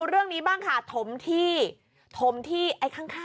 ว่าเรื่องนี้บ้างค่ะธมที่ไอ้ข้างเนี่ย